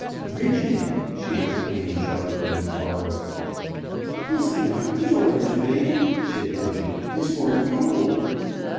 "Bridget!" she exclaimed sharply, with horror. "'Tis th' doctor's orders, ma'am," said Bridget. "'Tis for me cold."